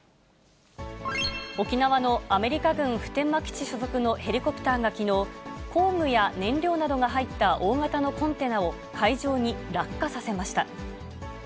沖縄のアメリカ軍普天間基地所属のヘリコプターがきのう、工具や燃料などが入った大型のコンテナを海上に落下させました。